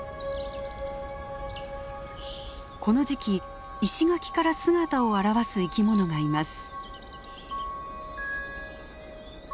この時期石垣から姿を現す生き物がいます。